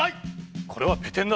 これはペテンだ。